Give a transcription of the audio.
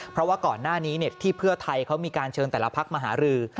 เพราะว่าก่อนหน้านี้ที่เพื่อไทยเขามีการเชิญแต่ละพักมาหารือ